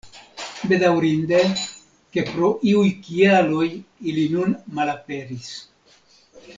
Bedaŭrinde, ke pro iuj kialoj ili nun malaperis.